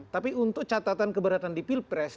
tapi untuk catatan keberatan di pilpres